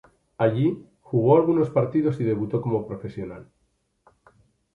Allí, jugó algunos partidos y debutó como profesional.